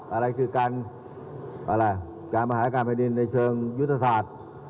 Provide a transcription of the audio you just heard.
อะไรคือการมาหาการไปดินในเชิงยุทธศาสตร์